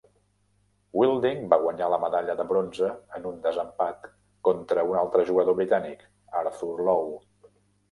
Wilding va guanyar la medalla de bronze en un desempat contra un altre jugador britànic, Arthur Lowe.